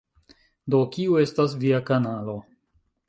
Do kiu estas via kanalo?